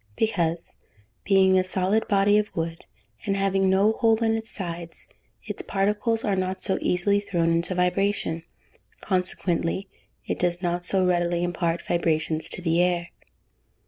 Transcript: _ Because, being a solid body of wood, and having no hole in its sides, its particles are not so easily thrown into vibration; consequently it does not so readily impart vibrations to the air.